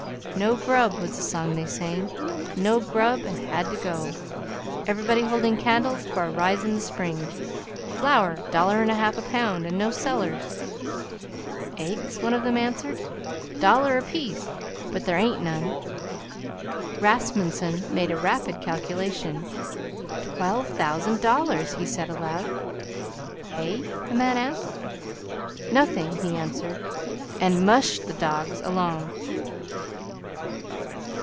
"No grub!" was the song they sang. "No grub, and had to go." "Everybody holding candles for a rise in the spring." "Flour dollar 'n a half a pound, and no sellers." "Eggs?" one of them answered. "Dollar apiece, but there ain't none." Rasmunsen made a rapid calculation. "Twelve thousand dollars," he said aloud. "Hey?" the man asked. "Nothing," he answered, and MUSHED the dogs along.